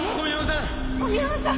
小宮山さん！